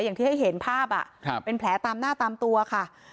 อย่างที่ให้เห็นภาพเป็นแผลตามหน้าตามตัวค่ะ